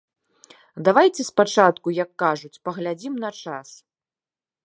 Давайце спачатку, як кажуць, паглядзім на час.